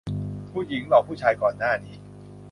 ผู้หญิงหลอกผู้ชายก่อนหน้านี้